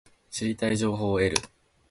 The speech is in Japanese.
知りたい情報を得る